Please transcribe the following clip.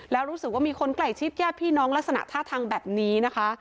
แล้วรู้สึกว่ามีคนใกล้ชิดญาติพี่น้องลักษณะท่าทางแบบนี้นะคะ